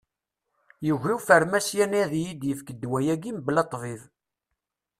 Yugi ufarmasyan ad yi-d-yefk ddwa-agi mebla ṭṭbib.